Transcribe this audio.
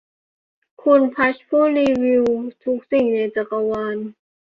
คุณพัชผู้รีวิวทุกสิ่งในจักรวาล